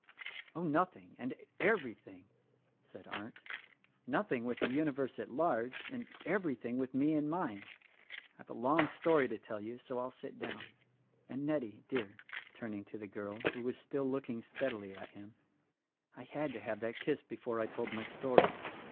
"Oh, nothing, and everything," said Arndt; "nothing with the universe at large, and everything with me and mine. I've a long story to tell you, so I'll sit down. And Nettie, dear," turning to the girl who was still looking steadily at him, "I had to have that kiss before I told my story.